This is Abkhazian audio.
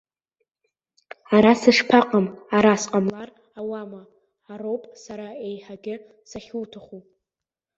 Ара сышԥаҟам, ара сҟамлар ауама, ароуп сара еиҳагьы сахьуҭаху.